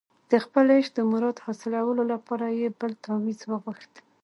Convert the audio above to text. د خپل عشق د مراد د حاصلولو لپاره یې بل تاویز وغوښت.